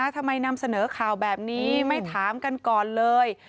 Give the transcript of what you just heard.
ทำไมนำเสนอข่าวแบบนี้ไม่ถามกันก่อนเลย